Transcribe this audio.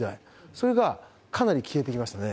それがかなり消えてきましたね。